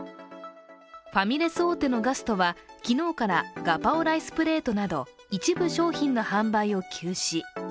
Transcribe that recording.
ファミレス大手のガストは昨日からガパオライスプレートなど一部商品の販売を休止。